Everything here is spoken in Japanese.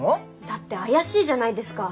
だって怪しいじゃないですか。